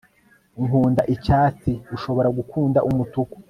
nkunda icyatsi, ushobora gukunda umutuku